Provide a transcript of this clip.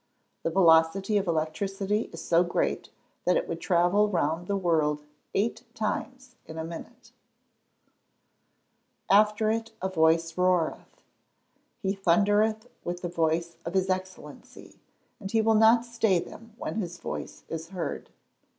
The velocity of electricity is so great that it would travel round the world eight times in a minute. [Verse: "After it a voice roareth: he thundereth with the voice of his excellency; and he will not stay them when his voice is heard."